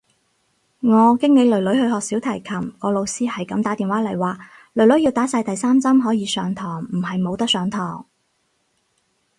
我經理囡囡去學小提琴，個老師係咁打電話嚟話，囡囡要打晒第三針可以上堂，唔係冇得上堂。